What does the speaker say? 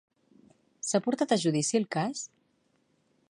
S'ha portat a judici el cas?